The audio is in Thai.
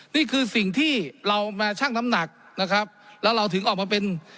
นี่คือสิ่งที่เรามาชั่งน้ำหนักนะครับแล้วเราถึงออกมาเป็น